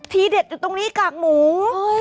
เด็ดอยู่ตรงนี้กากหมู